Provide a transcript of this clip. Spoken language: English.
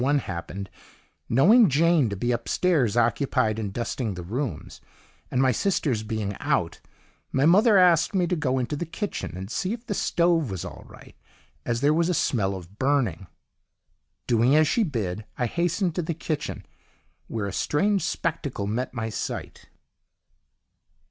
1 happened, knowing Jane to be upstairs occupied in dusting the rooms, and my sisters being out, my mother asked me to go into the kitchen and see if the stove was all right as 'there was a smell of burning.' "Doing as she bid, I hastened to the kitchen, where a strange spectacle met my sight.